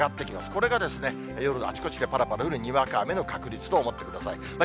これが夜、あちこちでぱらぱら降るにわか雨の確率と思ってください。